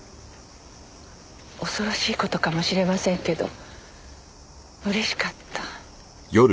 恐ろしい事かもしれませんけどうれしかった。